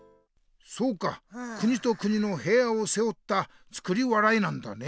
そうか国と国のへいわをせおった作り笑いなんだね。